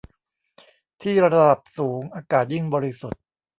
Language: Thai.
ที่ ระดับสูงอากาศยิ่งบริสุทธิ์